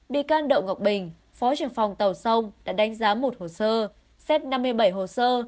bị can đậu ngọc bình phó trưởng phòng tàu sông đã đánh giá một hồ sơ xét năm mươi bảy hồ sơ